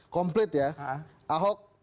komplit ya ahok